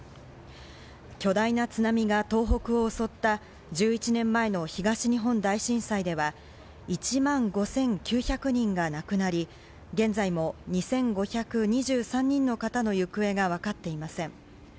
巨大な津波が東北を襲った１１年前の東日本大震災では１万５９００人が亡くなり、現在も２５２３人の方の行方がわかっていません。